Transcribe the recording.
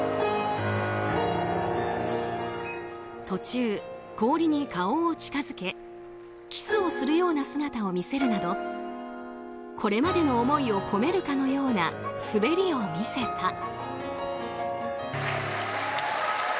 途中、氷に顔を近づけキスをするような姿を見せるなどこれまでの思いを込めるかのような滑りを見せた。